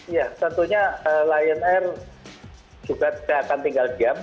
ya tentunya lion air juga tidak akan tinggal diam